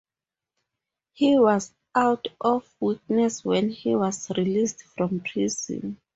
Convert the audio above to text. He was out of weakness when he was released from prison.